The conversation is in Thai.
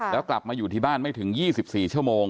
แล้วกลับมาอยู่ที่บ้านไม่ถึง๒๔ชั่วโมง